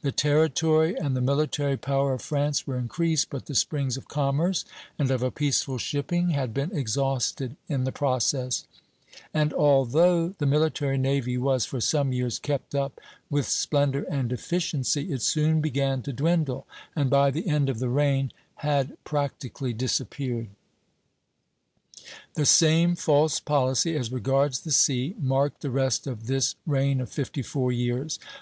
The territory and the military power of France were increased, but the springs of commerce and of a peaceful shipping had been exhausted in the process; and although the military navy was for some years kept up with splendor and efficiency, it soon began to dwindle, and by the end of the reign had practically disappeared. The same false policy, as regards the sea, marked the rest of this reign of fifty four years.